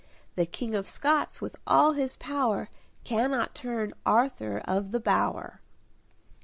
The King of Scots with all his power, Cannot turn Arthur of the Bower!"